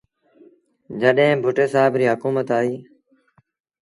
جڏهيݩ ڀُٽي سآب ريٚ هڪومت آئيٚ۔